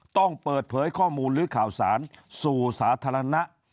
ต้องเปิดเผยข้อมูลหรือข่าวสารสู่สาธารณะ